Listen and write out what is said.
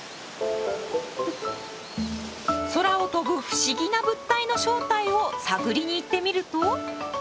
空を飛ぶ不思議な物体の正体を探りに行ってみると。